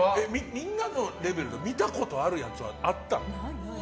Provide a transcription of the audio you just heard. みんなのレベルだと見たことあるやつはあったの？